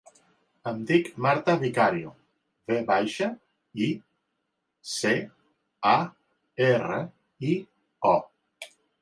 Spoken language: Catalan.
Em dic Marta Vicario: ve baixa, i, ce, a, erra, i, o.